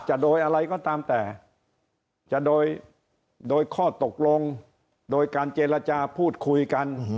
จะโดยอะไรก็ตามแต่จะโดยโดยข้อตกลงโดยการเจรจาพูดคุยกัน